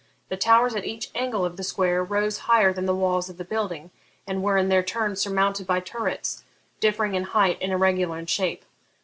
The towers at each angle of the square rose higher than the walls of the building, and were in their turn surmounted by turrets, differing in height and irregular in shape.